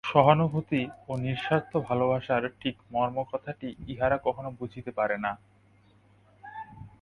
সহানুভূতি ও নিঃস্বার্থ ভালবাসার ঠিক মর্মকথাটি ইহারা কখনও বুঝিতে পারে না।